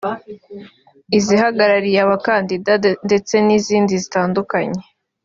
izihagarariye abakandida ndetse n’izindi zitandukanye